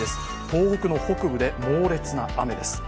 東北の北部で猛烈な雨です。